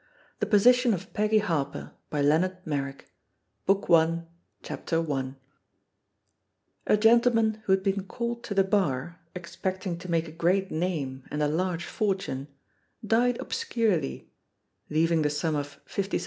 THE POSITION OF PEGGY HARPER BOOK I CHAPTER I A GENTLEMAN who had been called to the Bar, expecting to make a great name and a large fortune, died obscurely, leaving the sum of £57 8s.